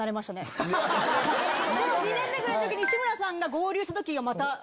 ２年目ぐらいの時に志村さんが合流した時がまた。